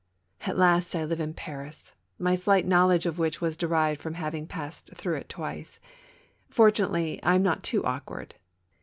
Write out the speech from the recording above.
At last I live in Paris, my slight knowledge of which was derived from having passed through it twice. Fortunately, I am not too awkward.